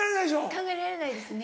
考えられないですね。